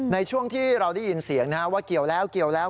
ในช่วงที่เราได้ยินเสียงว่าเกี่ยวแล้วเกี่ยวแล้ว